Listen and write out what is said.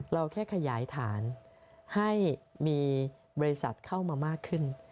เราแค่ขยายฐานให้มีบริษัทเข้ามามากขึ้น